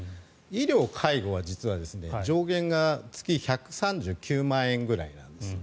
医療、介護は実は上限が月１３９万円ぐらいなんです。